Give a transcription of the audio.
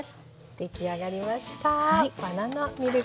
出来上がりました。